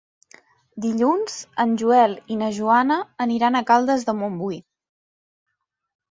Dilluns en Joel i na Joana aniran a Caldes de Montbui.